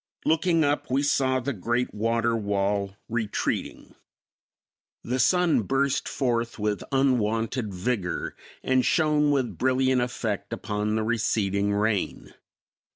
Looking up, we saw the great water wall retreating. The sun burst forth with unwonted vigor and shone with brilliant effect upon the receding rain.